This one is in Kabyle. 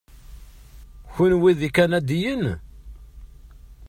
Kenwi d ikanadiyen?